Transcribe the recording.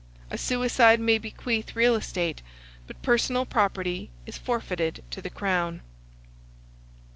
A suicide may bequeath real estate, but personal property is forfeited to the crown.